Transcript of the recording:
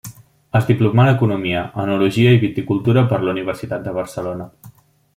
Es diplomà en economia, enologia i viticultura per la Universitat de Barcelona.